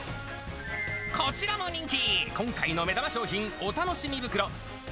こちらも人気、今回の目玉商品、お楽しみ袋。